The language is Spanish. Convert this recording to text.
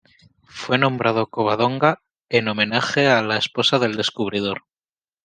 Fue nombrado Covadonga en homenaje a la esposa del descubridor.